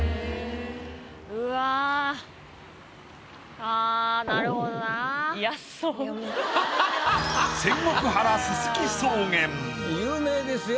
ああ有名ですよ